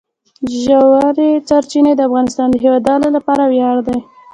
ژورې سرچینې د افغانستان د هیوادوالو لپاره ویاړ دی.